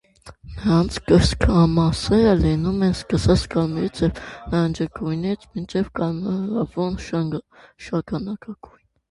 Նրանց կրծքամասերը լինում են սկսած կարմիրից և նարնջագույնից մինչև կարմրավուն շագանակագույն։